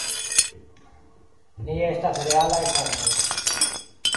Ni estas realaj homoj.